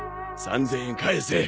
３０００円返せ。